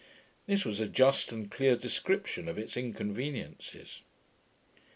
This was a just and clear description of its inconveniencies.